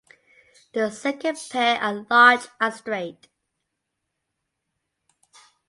The second pair and large and straight.